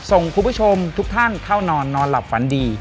ส่งคุณผู้ชมทุกท่านเข้านอนนอนหลับฝันดี